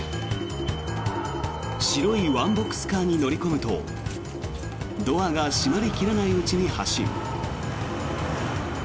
白いワンボックスカーに乗り込むとドアが閉まり切らないうちに発進。